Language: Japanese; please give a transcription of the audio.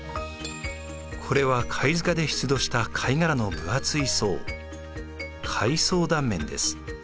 これは貝塚で出土した貝殻の分厚い層貝層断面です。